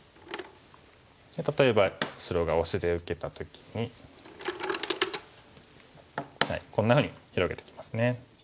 例えば白がオシで受けた時にこんなふうに広げてきますね。